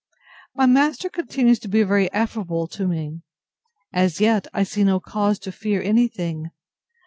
My master continues to be very affable to me. As yet I see no cause to fear any thing.